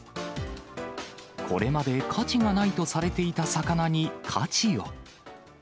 これまで価値がないとされていた魚に価値を。